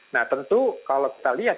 nah tentu kalau kita lihat